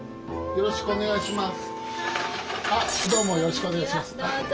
よろしくお願いします。